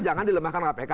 jangan dilemahkan kpk